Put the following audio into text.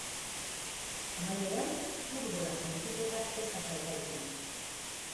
Amaieran, elur-bola jaurtiketa ez da falta izan.